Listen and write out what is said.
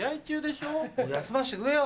休ましてくれよ